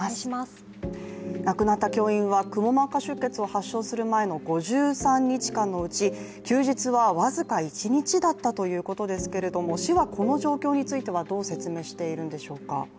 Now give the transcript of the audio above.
亡くなった教員はくも膜下出血を発症する前の５３日間のうち、休日は僅か１日だったということですけども市はこの状況についてはどう説明しているんでしょうか。